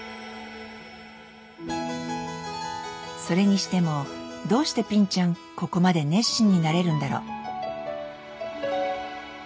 それにしてもどうしてぴんちゃんここまで熱心になれるんだろう？